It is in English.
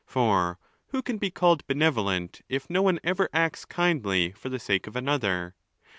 For who can be called benevolent, if no one ever acts kindly for the sake of another?